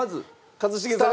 一茂さん